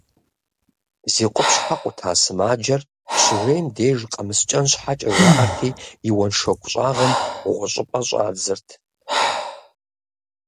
Зи къупщхьэ къута сымаджэр щыжейм деж, къэмыскӏэн щхьэкӏэ жаӏэрти, и уэншоку щӏагъым гъущӏыпэ щӏадзырт.